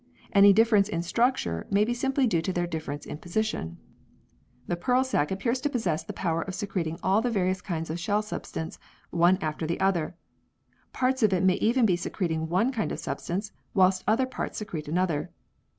Any difference in structure may be simply due to their difference in position. The pearl sac appears to possess the power of secreting all the various kinds of shell substance, one after the other. Parts of it may even be secreting one kind of substance whilst other parts secrete another.